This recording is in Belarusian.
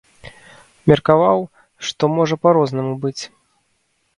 Меркаваў, што можа па-рознаму быць.